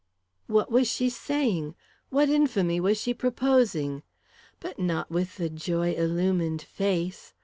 What was she saying? What infamy was she proposing? But not with the joy illumined face!